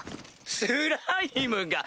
スライムが？